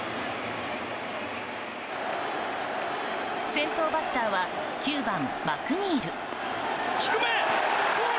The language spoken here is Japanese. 先頭バッターは９番マクニール。